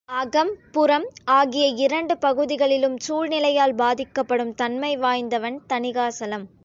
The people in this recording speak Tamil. அகம், புறம் ஆகிய இரண்டு பகுதிகளிலும் சூழ்நிலையால் பாதிக்கப்படும் தன்மை வாய்ந்தவன் தணிகாசலம்.